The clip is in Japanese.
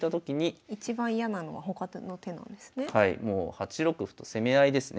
８六歩と攻め合いですね。